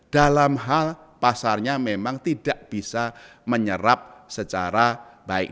dalam hal pasarnya memang tidak bisa menyerap secara baik